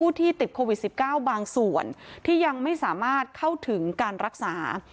ที่ติดโควิด๑๙บางส่วนที่ยังไม่สามารถเข้าถึงการรักษา